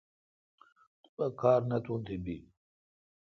تو پا کار نہ تھون تی بی۔